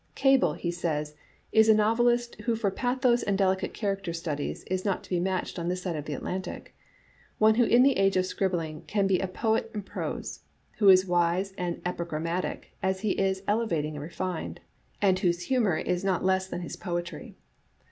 Gable, he says, " i$ a OQV Digitized by VjOOQ IC xvi 5« A« Sarrfe* elist who for pathos and delicate character studies is not to be matched on this side of the Atlantic ... one who in the age of scribbling can be a poet in prose, who is wise and epigrammatic as he is elevating and refined, and whose humor is not less than his poetry.